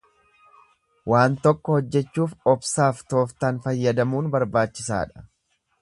Waan tokko hojjechuuf obsaaf tooftaan fayyadamuun barbaachisaadha.